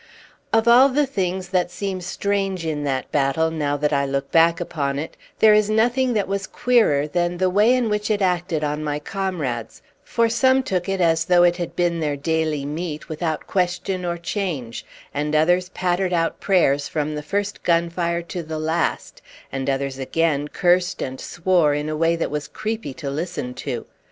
Of all the things that seem strange in that battle, now that I look back upon it, there is nothing that was queerer than the way in which it acted on my comrades; for some took it as though it had been their daily meat without question or change, and others pattered out prayers from the first gunfire to the last, and others again cursed and swore in a way that was creepy to listen to.